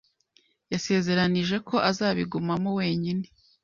Yasezeranyije ko azabigumaho wenyine.